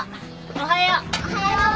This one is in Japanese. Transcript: おはよう。